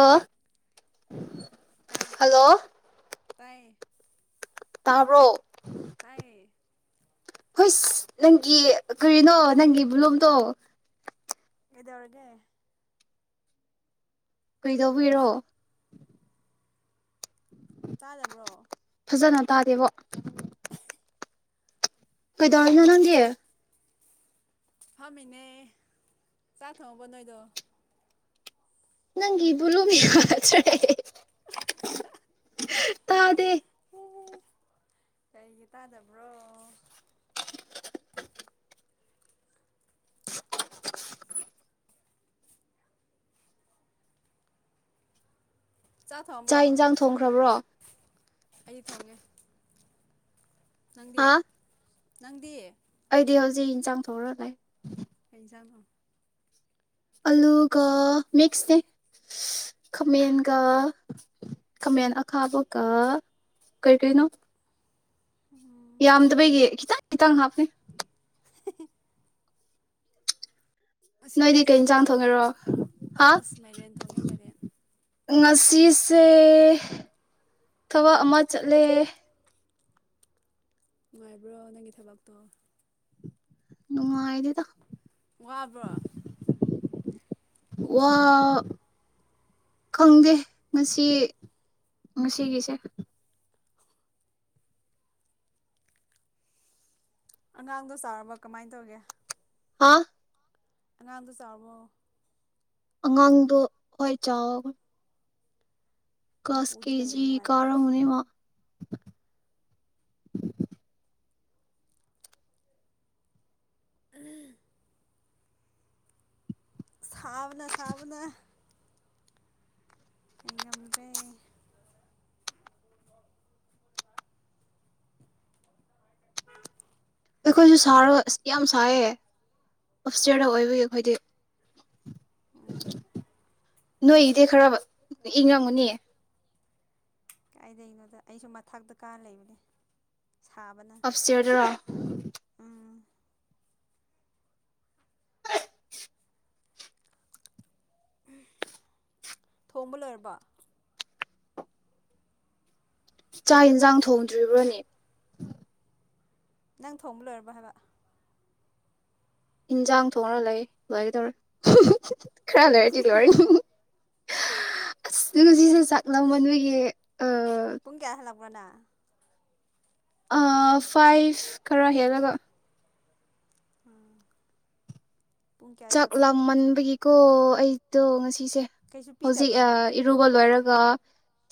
ꯑꯥ hello ꯇꯥꯌꯦ ꯇꯥꯕ꯭ꯔꯣ ꯑꯁ ꯅꯪꯒꯤ ꯀꯔꯤꯅꯣ ꯅꯪꯒꯤ ꯕ꯭ꯂꯨꯝꯗꯣ ꯀꯩꯗꯩꯔꯒꯦ ꯀꯩꯗꯧꯕꯩꯔꯣ ꯇꯥꯗꯕ꯭ꯔꯣ ꯐꯖꯅ ꯇꯥꯗꯦꯕꯣ ꯀꯩꯗꯧꯔꯤꯅꯣ ꯅꯪꯗꯤ ꯐꯝꯃꯤꯅꯦ ꯆꯥꯛ ꯊꯣꯡꯕ ꯅꯣꯏꯗꯣ ꯅꯪꯒꯤ ꯕꯣꯂꯨꯝ ꯌꯥꯗ꯭ꯔꯦ [inaudible] ꯇꯥꯗꯦ ꯑꯣ ꯀꯩꯒꯤ ꯇꯥꯗꯕ꯭ꯔꯣ ꯆꯥꯛ ꯏꯟꯖꯥꯡ ꯊꯣꯡꯈ꯭ꯔꯕ꯭ꯔꯣ ꯑꯩꯗꯤ ꯊꯣꯡꯉꯦ ꯅꯪꯗꯤ ꯍꯥ ꯅꯪꯗꯤ ꯑꯩꯗꯤ ꯍꯧꯖꯤꯛ ꯏꯟꯁꯥꯡ ꯊꯣꯔꯛ ꯉꯩ ꯀꯩ ꯖꯥꯡꯅꯣ ꯑꯂꯨꯒ ꯃꯤꯛꯁꯅꯦ ꯈꯃꯦꯟꯒ ꯈꯥꯃꯦꯟ ꯑꯈꯥꯕꯒ ꯀꯩꯀꯩꯅꯣ [inaudible] ꯌꯥꯝꯗꯕꯩꯒꯤ ꯈꯤꯇꯪ ꯈꯤꯇꯪ ꯍꯥꯞꯄꯦ ꯉꯁꯤ ꯅꯣꯏꯗꯤ ꯀꯥꯏ ꯀꯩ ꯌꯦꯟꯁꯥꯡ ꯆꯠꯄ꯭ꯔꯣ ꯊꯣꯡꯉꯦꯔꯣ ꯍꯥ ꯑꯁ ꯃꯥꯏꯔꯦꯟ ꯊꯣꯡꯉꯦ ꯃꯥꯏꯔꯦꯟ ꯉꯁꯤꯁꯦ ꯊꯕꯛ ꯑꯃ ꯆꯠꯂꯦ ꯅꯨꯉꯥꯏꯕ꯭ꯔꯣ ꯅꯪꯒꯤ ꯊꯕꯛꯇꯣ ꯅꯨꯡꯉꯥꯏꯗꯦꯗ ꯋꯥꯕ꯭ꯔꯣ ꯋꯥ ꯈꯪꯗꯦ ꯉꯁꯤ ꯉꯁꯤꯒꯤꯁꯦ ꯑꯉꯥꯡꯗꯣ ꯆꯥꯎꯔꯕ ꯀꯃꯥꯏꯅ ꯇꯧꯒꯦ ꯍꯥꯥ ꯑꯉꯥꯡꯗꯣ ꯆꯥꯎꯕ꯭ꯔꯣ ꯑꯉꯥꯡꯗꯣ ꯍꯣꯏ ꯆꯥꯎ ꯀꯂꯁ ꯃꯄꯨꯗꯤ ꯀꯦ ꯂꯩꯕ꯭ꯔꯣ ꯖꯤ ꯅꯨꯡꯉꯥꯏꯕ꯭ꯔꯣ ꯀꯥꯔꯝꯒꯅꯤ ꯃꯥ ꯁꯥꯕꯅ ꯁꯥꯕꯅ ꯑꯩ ꯉꯝꯗ꯭ꯔꯦ ꯑꯩꯈꯣꯏꯁꯨ ꯁꯥꯔꯒ ꯑꯁ ꯌꯥꯝ ꯁꯥꯏꯌꯦ ꯑꯞꯢꯁꯇ꯭ꯔꯗ ꯑꯣꯏꯕꯒꯤ ꯑꯩꯈꯣꯏꯗꯤ ꯎꯝ ꯅꯣꯏꯒꯤꯗꯤ ꯈꯔ ꯏꯪꯉꯝꯒꯅꯤ ꯀꯥꯏꯗꯩꯅꯣꯗ ꯑꯩꯁꯨ ꯃꯊꯥꯛꯇ ꯀꯥꯔ ꯂꯩꯕꯅꯦ ꯁꯥꯕꯅ ꯑꯞꯁꯇꯤꯌꯔꯗꯔꯣ ꯎꯝ ꯊꯣꯡꯕ ꯂꯣꯏꯔꯕꯣ ꯆꯥꯛ ꯏꯟꯁꯥꯡ ꯊꯣꯡꯗ꯭ꯔꯤꯕ꯭ꯔꯣꯅꯦ ꯅꯪ ꯊꯣꯡꯕ ꯂꯣꯏꯔꯕꯣ ꯍꯥꯏꯕ ꯏꯟꯁꯥꯡ ꯊꯣꯡꯔ ꯂꯩ ꯂꯣꯢꯒꯗꯣꯔꯦ ꯍꯨꯝ ꯍꯨꯝ ꯈꯔ ꯂꯔꯗꯤ ꯂꯣꯢꯔꯅꯤ ꯍꯤ ꯍꯤ ꯑꯁ ꯉꯥꯁꯤꯁꯨ ꯆꯥꯛꯂꯝꯃꯟꯕꯒꯤ ꯄꯨꯨꯡ ꯀꯌꯥ ꯍꯂꯛ ꯉꯟꯅꯥ ꯑ ꯐꯥꯏꯚ ꯈꯔ ꯍꯜꯂꯒ ꯑꯥ ꯆꯥꯛ ꯂꯥꯃꯟꯕꯒꯤ ꯀꯣ ꯑꯩꯗꯣ ꯉꯁꯤ ꯁꯤꯁꯦ ꯀꯩꯁꯨ ꯍꯧꯖꯤꯛ ꯄꯤꯗꯕ꯭ꯔꯥ ꯃꯣꯏ ꯏꯔꯨꯕ ꯂꯣꯏꯔꯒ ꯑꯗꯨꯒ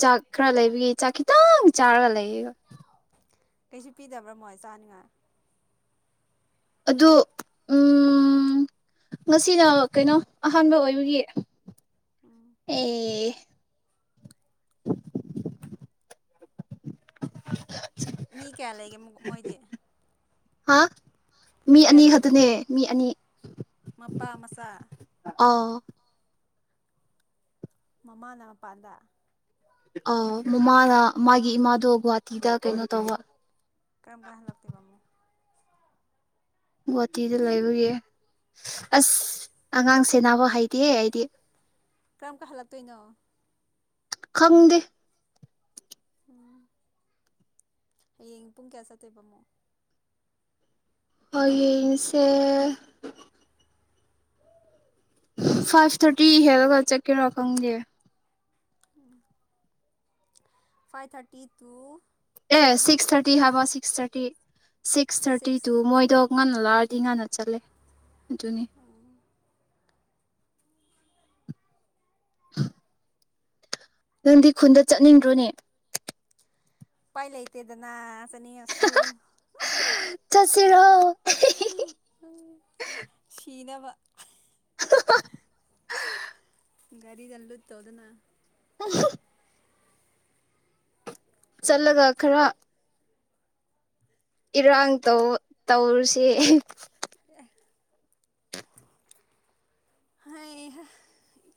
ꯆꯥꯛ ꯈꯔ ꯂꯩꯕꯒꯤ ꯆꯥꯛ ꯈꯤꯇꯪ ꯆꯥꯔꯒ ꯂꯩꯌꯦꯒ ꯀꯩꯁꯨ ꯄꯤꯗꯕ꯭ꯔꯥ ꯃꯣꯏ ꯆꯥꯅꯤꯉꯥꯏ ꯑꯗꯨ ꯎꯝ ꯉꯁꯤꯅ ꯀꯩꯅꯣ ꯑꯍꯥꯟꯕ ꯑꯣꯏꯕꯒꯤ ꯎꯝ ꯑꯦ [unintelligible] ꯃꯤ ꯀꯌꯥ ꯂꯩꯒꯦ ꯃꯣꯏꯗꯤ ꯍꯥ ꯃꯤ ꯀꯌꯥ ꯑꯅꯤ ꯈꯛꯇꯅꯦ ꯂꯩꯕ꯭ꯔꯕ ꯃꯤ ꯑꯅꯤ ꯃꯄꯥ ꯃꯆꯥ ꯑꯧ ꯃꯃꯥꯅ ꯃꯄꯥꯥꯟꯗ ꯑꯥ ꯃꯃꯥꯅ ꯃꯥꯒꯤ ꯏꯃꯥꯗꯣ ꯒꯨꯍꯥꯇꯤꯗ ꯀꯩꯅꯣ ꯇꯧꯕ ꯀꯔꯝꯀꯥꯟ ꯍꯟꯂꯛ ꯇꯣꯢꯕ ꯑꯃꯨꯛ ꯒꯨꯍꯥꯇꯤꯗ ꯂꯩꯕꯒꯤ ꯑꯁ ꯑꯉꯥꯡ ꯁꯦꯅꯕ ꯍꯩꯇꯦ ꯑꯩꯗꯤ ꯀꯔꯝ ꯀꯟ ꯍꯜꯂꯛ ꯇꯣꯏꯅꯣ ꯈꯪꯗꯦ ꯎꯝ ꯍꯌꯦꯡ ꯄꯨꯡ ꯀꯌꯥ ꯆꯠꯇꯣꯏꯕ ꯑꯃꯨꯛ ꯍꯥꯌꯦꯡꯁꯦ ꯐꯥꯏꯚ ꯊꯥꯔꯇꯤ ꯍꯦꯜꯂꯒ ꯆꯠꯀꯦꯔꯥ ꯈꯪꯗꯦ [unintelligible] ꯐꯥꯏꯚ ꯊꯥꯔꯇꯤ ꯇꯨ ꯑꯦ ꯀꯌꯥꯐꯥꯎ ꯁꯤꯛꯁ ꯊꯥꯔꯇꯤ ꯍꯥꯏꯕ six thirty six thirty two ꯃꯣꯏꯗꯣ ꯉꯥꯟꯅꯂꯥꯛꯑꯗꯤ ꯉꯥꯟꯅ ꯆꯠꯂꯦ ꯑꯗꯨꯅꯤ [inaudible] ꯅꯪꯗꯤ ꯈꯨꯟꯗ ꯆꯠꯅꯤꯡꯗ꯭ꯔꯣꯅꯦ ꯎꯄꯥꯏ ꯂꯩꯇꯦꯗꯅ ꯆꯅꯤ ꯑꯁꯨ ꯁꯤꯔꯣ ꯁꯤꯅꯕ ꯍꯥ ꯍꯥ ꯍꯥ ꯑꯥ [inaudible] ꯒꯔꯤꯒ ꯂꯨꯠ ꯇꯧꯗꯨꯅ ꯑꯍꯥ [inaudible] ꯆꯠꯂꯒ ꯈꯔ ꯏꯔꯥꯡ ꯇꯧ ꯇꯧꯔꯨꯁꯤ ꯍꯩꯩ ꯍ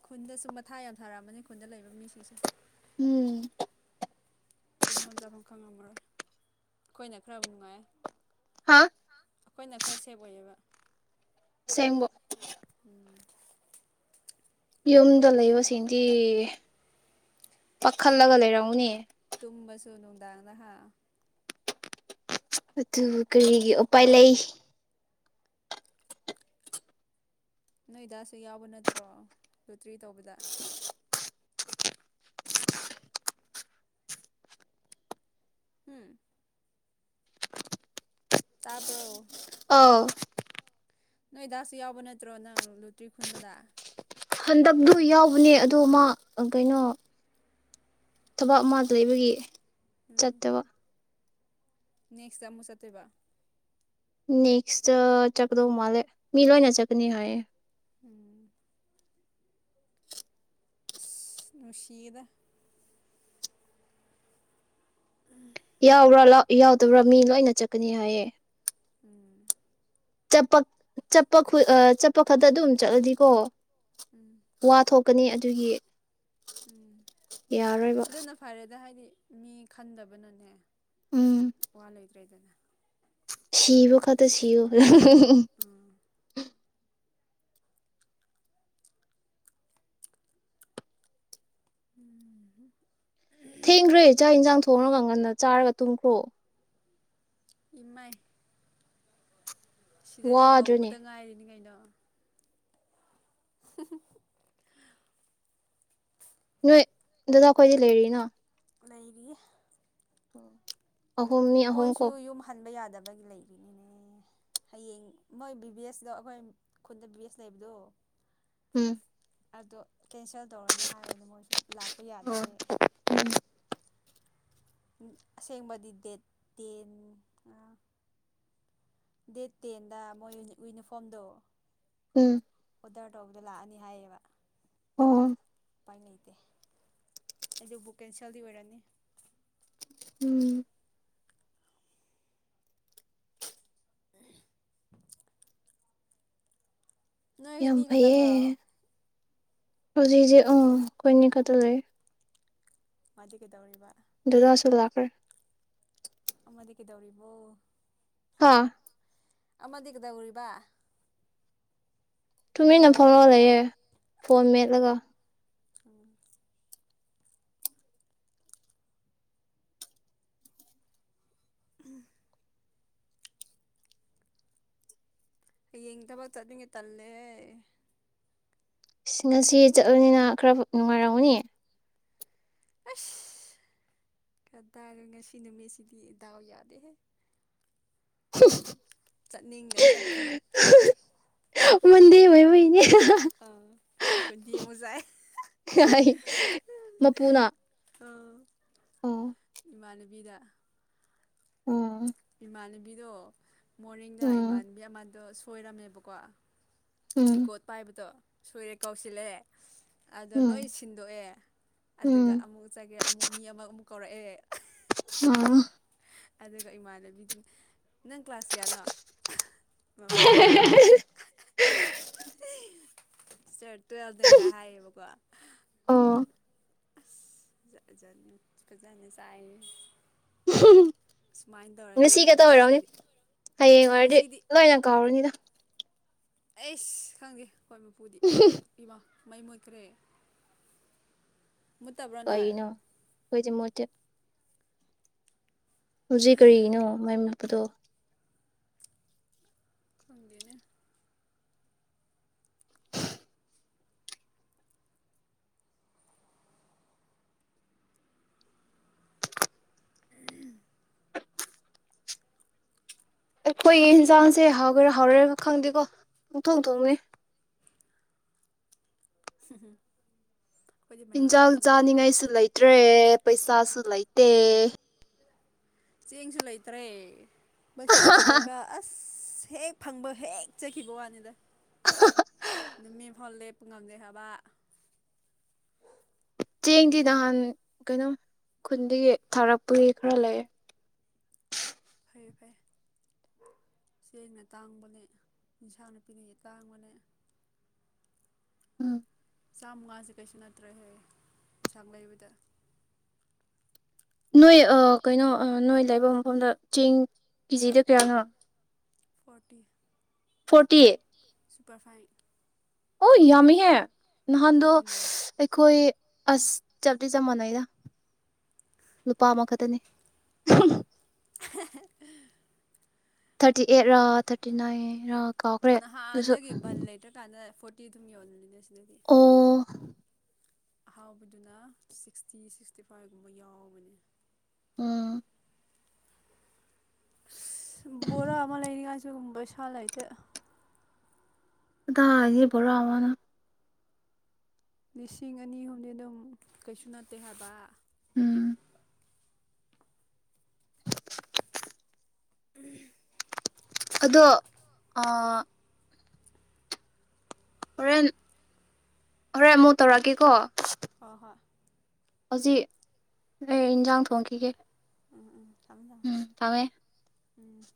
ꯈꯨꯟꯗꯁꯨ ꯃꯊꯥ ꯌꯥꯝ ꯁꯥꯔꯝꯃꯅꯤ ꯈꯨꯟꯗ ꯂꯩꯕ ꯃꯤꯁꯤꯡꯁꯨ ꯎꯝ ꯇꯨꯝꯐꯝ ꯆꯥꯐꯝ ꯈꯪꯉꯝꯃꯔꯣꯏ ꯑꯩꯈꯣꯏꯅ ꯈꯔ ꯅꯨꯡꯉꯥꯏ ꯍꯥꯥ ꯑꯩꯈꯣꯏꯅ ꯈꯔ ꯁꯦꯞ ꯑꯣꯏꯌꯦꯕ ꯁꯦꯡꯕ ꯌꯨꯝꯗ ꯂꯩꯕꯁꯤꯡꯗꯤ ꯄꯥꯈꯠꯂꯒ ꯂꯩꯔꯝꯅꯤ ꯇꯨꯝꯕꯁꯨ ꯅꯨꯡꯗꯥꯡꯗꯍꯥ ꯑꯗꯨ ꯀꯔꯤꯒꯤ ꯎꯄꯥꯏ ꯂꯩ ꯅꯣꯏ ꯗꯥꯥꯁꯨ ꯌꯥꯎꯕ ꯅꯠꯇ꯭ꯔꯣ ꯂꯣꯇ꯭ꯔꯤ ꯇꯧꯕꯗ ꯎꯝ ꯇꯥꯕ꯭ꯔꯣ ꯑꯥꯎ ꯅꯣꯏꯗꯥꯁꯨ ꯌꯥꯎꯕ ꯅꯠꯇ꯭ꯔꯣ ꯅꯪ ꯂꯨꯇ꯭ꯔꯤ ꯈꯨꯟꯕꯗ ꯍꯟꯗꯛꯇꯨ ꯌꯥꯎꯕꯅꯦ ꯑꯗꯨ ꯃꯥ ꯀꯩꯅꯣ ꯊꯕꯛ ꯑꯃꯥ ꯂꯩꯕꯒꯤ ꯎꯝ ꯆꯠꯇꯕ ꯅꯦꯛꯁꯇ ꯃꯨꯛ ꯆꯠꯇꯣꯏꯕ ꯅꯦꯛꯁ ꯇ ꯆꯠꯀꯗꯧ ꯃꯥꯂꯦ ꯃꯤꯂꯣꯏꯅ ꯆꯠꯀꯅꯤ ꯍꯥꯏꯌꯦ ꯎꯝ [inaudible] ꯏꯁ ꯅꯨꯡꯁꯤꯌꯦꯗ ꯎꯝ [inaudible] ꯌꯥꯎꯕ꯭ꯔꯥ ꯂ ꯌꯥꯎꯗꯕ꯭ꯔꯥ ꯃꯤ ꯂꯣꯏꯅ ꯆꯠꯀꯅꯤ ꯍꯥꯏꯌꯦ ꯎꯝ [inaudible] ꯆꯠꯄ ꯆꯠꯄ ꯈꯨꯜ ꯑꯥ ꯆꯠꯄ ꯈꯛꯇ ꯑꯗꯨꯝ ꯆꯠꯂꯗꯤꯀꯣ ꯎꯝ ꯋꯥ ꯊꯣꯛ ꯀꯅꯤ ꯑꯗꯨꯒꯤ ꯎꯝ ꯌꯥꯔꯣꯏꯕ ꯑꯗꯨꯅ ꯐꯔꯦꯗ ꯍꯥꯏꯗꯤ ꯃꯤ ꯈꯟꯗꯕꯅꯅꯦ ꯎꯝ ꯋꯥ ꯂꯩꯇ꯭ꯔꯦꯗꯅ ꯁꯤꯕ ꯈꯇ ꯁꯤ [inaudible] ꯎꯝ ꯎꯝ ꯍꯝ ꯊꯦꯡꯈ꯭ꯔꯦ ꯆꯥꯛ ꯏꯟꯁꯥꯡ ꯊꯣꯡꯉꯒ ꯉꯟꯅ ꯆꯥꯔꯒ ꯇꯨꯝꯈ꯭ꯔꯣ ꯏꯃꯥꯏ ꯁꯤꯗꯗꯤ ꯍꯧꯕꯗ ꯋꯥꯗ꯭ꯔꯅꯦ ꯉꯥꯏꯔꯤꯅꯤ ꯀꯩꯅꯣ [inaudible] ꯅꯣꯏ ꯗꯗꯥ ꯈꯣꯏꯗꯤ ꯂꯩꯔꯤꯅꯣ ꯂꯩꯔꯤ ꯎꯝ ꯑꯍꯨꯝ ꯃꯤ ꯑꯍꯨꯝ ꯀꯣ ꯌꯨꯝ ꯍꯟꯕ ꯌꯥꯗꯕꯒꯤ ꯂꯩꯔꯤꯅꯤꯅꯦ ꯍꯌꯦꯡ ꯃꯣꯏ ꯕꯤ ꯚꯤ ꯑꯦꯁꯇꯣ ꯑꯩꯈꯣꯏ ꯈꯨꯟꯗ ꯕꯤ ꯚꯤ ꯑꯦꯁ ꯂꯩꯕꯗꯣ ꯎꯝ ꯑꯗꯣ ꯀꯦꯟꯁꯦꯜ ꯇꯧꯔꯅꯤ ꯍꯥꯏꯕꯅꯤ ꯃꯣꯏꯁꯨ ꯂꯥꯛꯄ ꯎꯝ ꯌꯥꯗꯕꯩ ꯑꯁꯦꯡꯕꯗꯤ ꯗꯦꯠ ꯇꯦꯟ ꯑ ꯗꯦꯠ ꯇꯦꯟꯗ ꯃꯣꯏ ꯎ ꯢꯌ꯭ꯨꯅꯤꯐꯣꯝꯗꯣ ꯎꯝ ꯑꯣꯔꯗꯔ ꯇꯧꯕꯗꯣ ꯂꯥꯛꯑꯅꯤ ꯍꯥꯏꯌꯦꯕ ꯑꯣ ꯑꯣ ꯎꯄꯥꯏ ꯂꯩꯇꯦ ꯑꯗꯨꯕꯨ ꯀꯦꯟꯁꯦꯜꯗꯤ ꯑꯣꯏꯔꯅꯤ ꯎꯝ ꯅꯣꯏꯑꯅꯤ ꯌꯥꯝ ꯈꯇꯪꯔꯣ ꯐꯩꯌꯦ ꯍꯧꯖꯤꯛꯁꯦ ꯎꯝ ꯈꯣꯢꯅꯤ ꯎꯝ ꯈꯛꯇ ꯂꯩ ꯃꯥꯗꯤ ꯀꯩꯗꯧꯔꯤꯕ ꯗꯥꯗꯥꯁꯨ ꯂꯥꯛꯈ꯭ꯔꯦ ꯑꯃꯗꯤ ꯀꯩꯗꯧꯔꯤꯕꯣ ꯍꯥꯥ ꯑꯃꯗꯤ ꯀꯩꯗꯧꯔꯤꯕ ꯐꯣꯟ ꯇꯨꯃꯤꯟꯅ ꯇꯧꯔ ꯐꯝꯔꯒ ꯂꯩꯕ꯭ꯔꯕ ꯂꯩꯌꯦ ꯐꯣꯟ ꯃꯦꯠꯂꯒ [inaudible] ꯍꯌꯦꯡ ꯊꯕꯛ ꯆꯠꯅꯤꯡꯉꯦ ꯇꯜꯂꯦꯍꯦ ꯢꯁ ꯉꯁꯤ ꯆꯠꯂꯕꯅꯤꯅ ꯈꯔ ꯅꯨꯡꯉꯥꯏꯔꯝꯒꯅꯤ ꯑꯁ ꯀꯗꯥꯢ ꯉꯁꯤ ꯅꯨꯃꯤꯠꯁꯤꯗꯤ ꯗꯥꯎ ꯌꯥꯗꯦꯍꯦ [inaudible] [inaudible] ꯆꯠꯅꯤꯡꯗ ꯆꯠꯄꯅꯦ ꯃꯟꯗꯦ ꯑꯣꯏꯕꯒꯤꯅꯦ ꯑꯥ ꯈꯣꯟꯊꯤ ꯑꯃꯨꯛ ꯆꯥꯏ [inaudible] ꯃꯄꯨꯅ ꯑꯥ ꯑꯣ ꯏꯃꯥꯟꯅꯕꯤꯗ ꯎꯝ ꯏꯃꯥꯟꯅꯕꯤꯗꯣ ꯃꯣꯔꯅꯤꯡꯗ ꯎꯝ ꯏꯃꯥꯟꯅꯕꯤ ꯑꯃꯗꯣ ꯁꯨ ꯑꯣꯏꯔꯝꯃꯦꯕꯀꯣ ꯎꯝ ꯔꯦꯀꯣꯔꯠ ꯄꯥꯏꯕꯗꯣ ꯁꯣꯏꯔꯦ ꯀꯧꯁꯤꯜꯂꯦ ꯑꯗ ꯂꯣꯏ ꯎꯝ ꯁꯤꯟꯗꯣꯛꯑꯦ ꯎꯝ ꯑꯗꯨꯒ ꯎꯝ ꯑꯃꯨꯛ ꯆꯪꯉꯦ ꯑꯃꯨꯛ ꯃꯤ ꯑꯃ ꯃꯨꯛ ꯀꯧꯔꯛꯑꯦ ꯑ ꯑꯗꯨꯒ ꯏꯃꯥꯟ [unintelligible] ꯅꯪ ꯀ꯭ꯂꯥꯁ ꯀꯌꯥꯅꯣ ꯃꯄꯨꯗꯨꯅ ꯆꯠ ꯇꯨꯋꯦꯜꯕꯅꯦ ꯀꯥꯏ ꯍꯥꯏꯌꯦꯕꯀꯣ ꯑꯁ ꯑꯣ ꯖꯥꯠ ꯖꯥꯠꯅꯦ ꯐꯖꯟꯗꯤ ꯆꯥꯢꯍꯦ ꯉꯁꯤꯒꯇ ꯑꯣꯏꯔꯝꯅꯤ ꯅꯦꯛꯁꯇꯗꯤ ꯍꯌꯦꯡ ꯑꯣꯏꯔꯗꯤ ꯉꯁꯤꯗꯤ ꯂꯣꯏꯅ ꯀꯥꯎꯔꯅꯤꯗ ꯑꯩꯁ ꯈꯪꯗꯦ ꯍꯣꯏ ꯃꯄꯨꯗꯤ ꯏꯃꯥ ꯃꯩ ꯃꯨꯠꯈ꯭ꯔꯦ ꯃꯨꯠꯇꯕ꯭ꯔꯥ ꯅꯣꯏ ꯀꯩꯅꯣ ꯍꯣꯏꯗꯤ ꯃꯨꯠꯇꯦ ꯍꯧꯖꯤꯛ ꯀꯔꯤꯒꯤꯅꯣ ꯃꯩ ꯃꯨꯠꯄꯗꯣ ꯈꯪꯗꯦꯅ ꯑꯩꯈꯣꯏꯒꯤ ꯍꯤꯟꯖꯥꯡꯁꯦ ꯍꯥꯎꯒꯦꯔꯥ ꯍꯥꯎꯔꯦꯢꯔ ꯈꯪꯗꯦꯀꯣ ꯄꯨꯡꯊꯣꯡ ꯊꯣꯡꯂꯦ [inaudible] ꯍꯤꯟꯖꯥꯡ ꯊꯦꯡꯅꯩ ꯃꯥꯏꯔꯦꯟ ꯆꯥꯅꯤꯡꯉꯥꯏꯁꯨ ꯂꯩꯇ꯭ꯔꯦ ꯄꯩꯁꯥꯁꯨ ꯂꯩꯇꯦ ꯆꯦꯡꯁꯨ ꯂꯩꯇꯔꯦ ꯄꯩꯁꯥꯁꯨ ꯗꯔꯀꯥꯔ ꯑꯁ ꯑꯁ ꯍꯦꯛ ꯐꯪꯕ ꯍꯦꯛ ꯆꯠꯈꯤꯕ ꯋꯥꯅꯤꯗ ꯅꯨ ꯃꯤ ꯐꯜ ꯂꯦꯞ ꯉꯝꯗꯦ ꯍꯥꯏꯕ ꯆꯦꯡꯗꯤ ꯅꯍꯥꯟ ꯀꯩꯅꯣꯝ ꯈꯨꯟꯗꯒꯤ ꯊꯥꯔꯛꯄꯒꯤ ꯈꯔ ꯂꯩ ꯐꯩ ꯐꯩ ꯆꯦꯡꯅ ꯇꯥꯡꯕꯅꯦ ꯏꯟꯁꯥꯡ ꯅꯥꯄꯤꯅ ꯇꯥꯡꯕꯅꯦ ꯎꯝ ꯆꯥꯝꯃꯉꯥꯁꯦ ꯀꯩꯁꯨ ꯅꯠꯇ꯭ꯔꯦꯍꯦ ꯌꯦꯟꯁꯥꯡ ꯂꯩꯕꯗ ꯅꯣꯏ ꯑ ꯀꯩꯅꯣ ꯅꯣꯏ ꯂꯥꯏꯕ ꯃꯐꯝꯗ ꯆꯦꯡ ꯀꯦꯖꯤꯗ ꯀꯌꯥꯅꯣ ꯐꯣꯔꯇꯤ ꯐꯣꯔꯇꯤ ꯁꯨꯄꯔ ꯐꯥꯏꯟ ꯑꯣꯢ ꯌꯥꯃꯤꯍꯦ ꯅꯍꯥꯟꯗꯣ ꯑꯗꯨꯅꯦ ꯑꯩꯈꯣꯏ ꯑꯁ ꯆꯞꯇꯤ ꯆꯞ ꯃꯥꯟꯅꯩꯗ ꯂꯨꯄꯥ ꯑꯃꯈꯇꯅꯤ [inaudible] ꯊꯥꯔꯇꯤꯑꯦꯠ ꯔ ꯊꯥꯔꯇꯤꯅꯥꯏꯟ ꯔ ꯀꯥꯎꯈ꯭ꯔꯦ ꯑꯗꯨꯁꯨ ꯅꯍꯥꯟꯗꯒꯤ ꯕꯟ ꯂꯦꯇ꯭ꯔ ꯀꯥꯟꯗ ꯐꯣꯔꯇꯤ ꯑꯗꯨꯝ ꯌꯣꯜꯂ ꯅꯣꯗꯥꯁꯦ ꯑꯗꯨꯒꯤ ꯑꯣ ꯑꯍꯥꯎꯕꯗꯨꯅ ꯁꯤꯛꯁꯇꯤ ꯁꯤꯛꯁꯇꯤ ꯐꯥꯏꯚ ꯒꯨꯝꯕ ꯌꯥꯎꯕꯅꯦ ꯎꯝ ꯕꯣꯔꯥꯥ ꯑꯃ ꯂꯩꯔꯤꯉꯩ ꯁꯤꯒꯨꯝꯕ ꯁ ꯂꯩꯇꯦ ꯀꯗꯥꯢ ꯗꯒꯤ ꯕꯣꯔꯥꯋꯥꯅ ꯂꯤꯁꯤꯡ ꯑꯅꯤ ꯑꯍꯨꯝꯗꯤ ꯑꯗꯨꯝ ꯀꯩꯁꯨ ꯅꯠꯇꯦ ꯍꯥꯏꯕ ꯎꯝ ꯎꯝ ꯑꯗꯣ ꯑꯥ ꯍꯣꯔꯦꯟ ꯍꯣꯔꯦꯟ ꯑꯃꯨꯛ ꯇꯧꯔꯛꯀꯦꯀꯣ ꯍꯣ ꯍꯣꯏ ꯍꯧꯖꯤꯛ ꯑꯩ ꯏꯟꯖꯥꯡ ꯊꯣꯡꯈꯤꯒꯦ ꯎꯝ ꯎꯝ ꯊꯝꯃꯦ ꯊꯝꯃꯦ ꯎꯝ ꯊꯝꯃꯦ ꯎꯝ